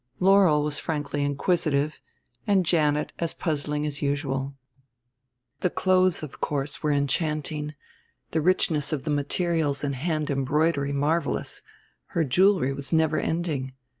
Laurel was frankly inquisitive and Janet as puzzling as usual. The clothes of course were enchanting, the richness of the materials and hand embroidery marvellous; her jewelry was never ending.